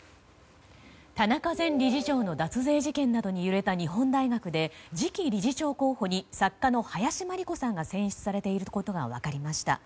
田中前理事長の脱税事件などで揺れた日本大学で次期理事長候補に作家の林真理子さんが選出されていることが分かりました。